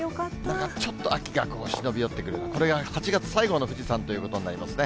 なんかちょっと秋が忍び寄ってきているような、これが８月最後の富士山ということになりますね。